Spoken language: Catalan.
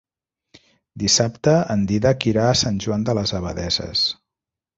Dissabte en Dídac irà a Sant Joan de les Abadesses.